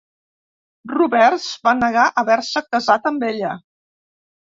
Roberts va negar haver-se casat amb ella.